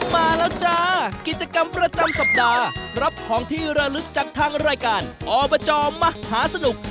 มาแล้วจ้ากิจกรรมประจำสัปดาห์รับของที่ระลึกจากทางรายการอบจมหาสนุก